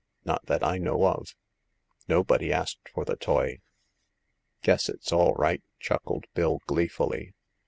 " Not that I know of. Nobody asked for the toy." " Guess it's all right," chuckled Bill, gleefully.